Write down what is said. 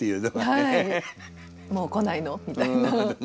「もう来ないの」みたいな。